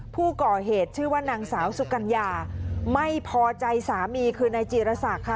ผู้ก่อเหตุชื่อว่านางสาวสุกัญญาไม่พอใจสามีคือนายจีรศักดิ์ค่ะ